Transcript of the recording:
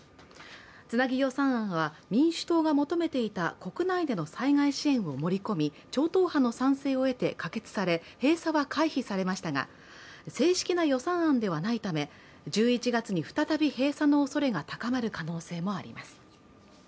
つなぎ予算案は民主党側が求めていた国内での災害支援を盛り込み、超党派の賛成を得て、可決され、閉鎖は回避されましたが正式な予算案ではないため１１月に再び閉鎖のおそれが高まる可能性もあります。